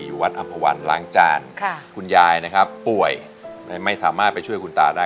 อยู่วัดอัมพวันล้างจานค่ะคุณยายนะครับป่วยไม่ไม่สามารถไปช่วยคุณตาได้